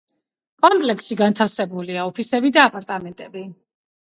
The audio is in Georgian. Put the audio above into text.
კომპლექსში განთავსებულია ოფისები და აპარტამენტები.